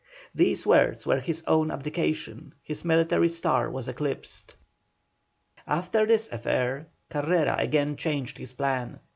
These words were his own abdication, his military star was eclipsed. After this affair Carrera again changed his plan.